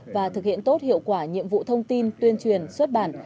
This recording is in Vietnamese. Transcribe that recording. và thực hiện tốt hiệu quả nhiệm vụ thông tin tuyên truyền xuất bản